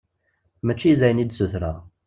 Mačči d ayen i d-sutreɣ.